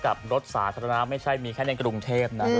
กับรถสาธารณะไม่ใช่มีแค่ในกรุงเทพนะ